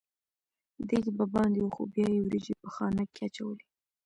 دېګ به باندې و خو بیا یې وریجې په خانک کې اچولې.